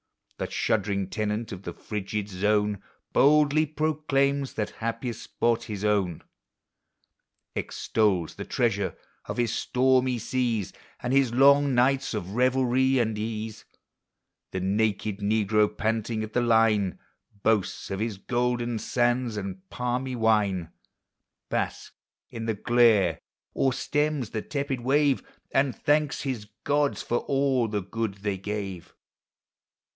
The shuddering tenant of the frigid zone Boldly proclaims that happiest spot his own; Extols the treasures of his stormy seas, And his long nights of revelry and ease: The naked negro, panting at the line, Boasts of his golden sands and palmy wine, Basks in the glare, or stems the tepid wave, And thanks his gods for all the good they gave.